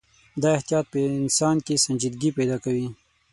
دا احتیاط په انسان کې سنجیدګي پیدا کوي.